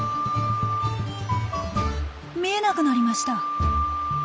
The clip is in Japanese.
見えなくなりました。